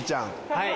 はい。